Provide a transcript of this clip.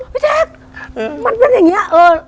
พี่แจ๊คมันเป็นอย่างนี้